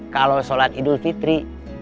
kalau sholat idul fitri